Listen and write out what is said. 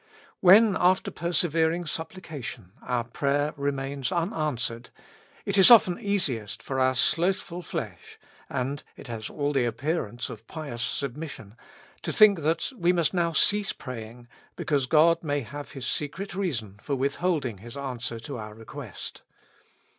When, after persevering supplication, our prayer re mains unanswered, it is often easiest for our slothful flesh, and it has all the appearance of pious submis sion, to think that we must now cease praying, be cause God may have His secret reason for withhold ing His answer to our request.